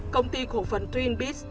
công ty khổ phần twin peaks